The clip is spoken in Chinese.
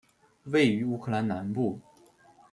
位于乌克兰南部。